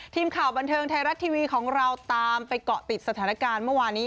ทีมข่าวบันเทิงไทยรัฐทีวีของเราตามไปเกาะติดสถานการณ์เมื่อวานี้